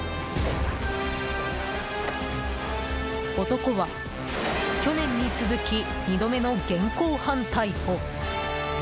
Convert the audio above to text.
男は、去年に続き２度目の現行犯逮捕。